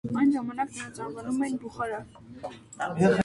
Այն ժամանակ նրանց անվանում էին բուխարա։